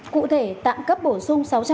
cụ thể tạm cấp bổ sung sáu trăm linh